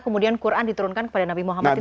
kemudian quran diturunkan kepada nabi muhammad